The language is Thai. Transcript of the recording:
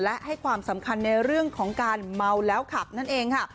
และให้ความสำคัญในเรื่องของการเมาแล้วขับนั่นเองค่ะ